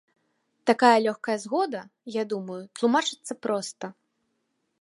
Такая лёгкая згода, я думаю, тлумачыцца проста.